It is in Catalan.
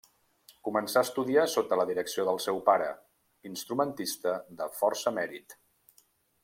Començà estudiar sota la direcció del seu pare, instrumentista de força mèrit.